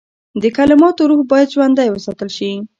د کلماتو روح باید ژوندی وساتل شي.